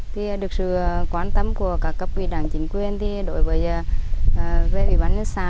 thì được sự quan tâm của các cấp quy đảng chính quyền thì đối với về ủy ban nước xa